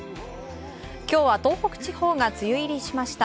今日は東北地方が梅雨入りしました。